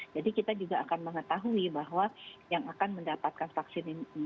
jadi kita juga akan mengetahui bahwa yang akan mendapatkan vaksinasi ini adalah pembunuh